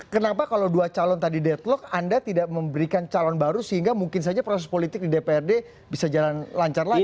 kenapa kalau dua calon tadi deadlock anda tidak memberikan calon baru sehingga mungkin saja proses politik di dprd bisa jalan lancar lagi